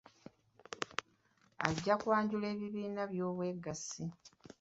Ajja kwanjula ebibiina by'obwegassi.